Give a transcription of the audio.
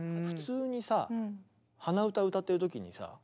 普通にさ鼻歌歌ってる時にさ